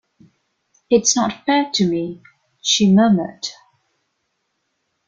“It’s not fair to me,” she murmured.